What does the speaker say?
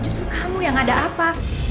justru kamu yang ada apa